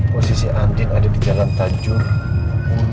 posisi andin ada di jalan tanjur